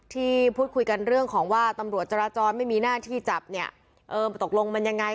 ที่พูดคุยกันเรื่องของว่าตำรวจจราจรไม่มีหน้าที่จับเนี่ยเออมันตกลงมันยังไง